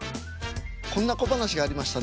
こんな小噺がありましたね。